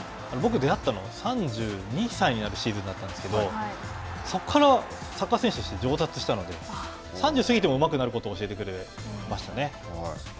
僕、出会ったのは３２歳になるシーズンだったんですけどそこからサッカー選手として上達したので、３０過ぎてもうまくなることを教えてくれましたね。